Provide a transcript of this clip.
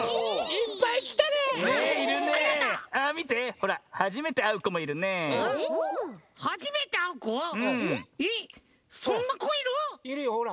いるよほら。